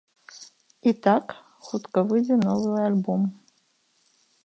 І так, хутка выйдзе новы альбом.